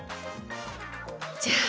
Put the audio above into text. じゃあ。